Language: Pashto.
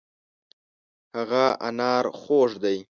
هغه انار خوږ دی.